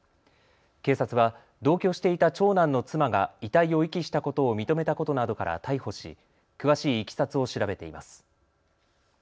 警察は同居していた長男の妻が遺体を遺棄したことを認めたことなどから逮捕し詳しいいきさつを調べています。